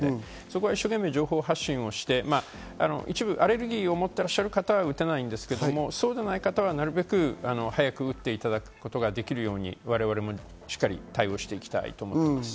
一生懸命、情報発信をして一部、アレルギーを持っている方は打てないんですけど、そうでない方はなるべく早く打っていただくことができるように我々もしっかり対応していきたいと思います。